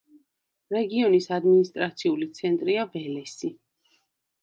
რეგიონის ადმინისტრაციული ცენტრია ველესი.